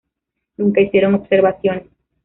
Nunca hicieron observaciones.